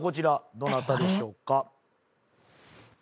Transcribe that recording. どなたでしょうか？